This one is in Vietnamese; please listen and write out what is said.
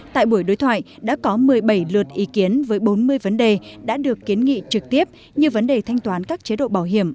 tại buổi đối thoại đã có một mươi bảy lượt ý kiến với bốn mươi vấn đề đã được kiến nghị trực tiếp như vấn đề thanh toán các chế độ bảo hiểm